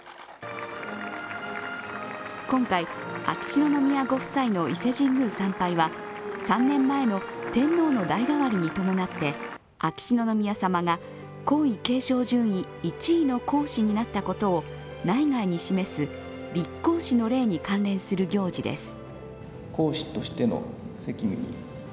今回、秋篠宮ご夫妻の伊勢神宮参拝は３年前の天皇の代替わりに伴って秋篠宮家さまが皇位継承順位１位の皇嗣になったことを内外に示す立皇嗣の礼に関連する行事です。